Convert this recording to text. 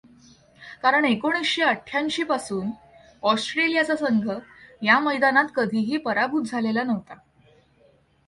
कारण एकोणीसशे अठ्याऐंशी पासून ऑस्ट्रेलियाचा संघ या मैदानात कधीही पराभूत झालेला नव्हता.